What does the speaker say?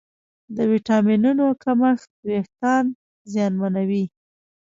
د ویټامینونو کمښت وېښتيان زیانمنوي.